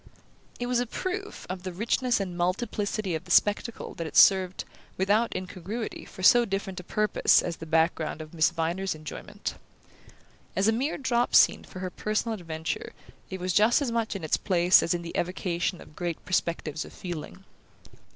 It was a proof of the richness and multiplicity of the spectacle that it served, without incongruity, for so different a purpose as the background of Miss Viner's enjoyment. As a mere drop scene for her personal adventure it was just as much in its place as in the evocation of great perspectives of feeling.